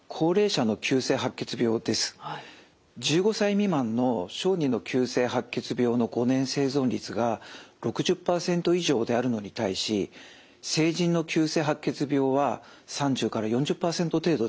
１５歳未満の小児の急性白血病の５年生存率が６０％以上であるのに対し成人の急性白血病は３０４０％程度です。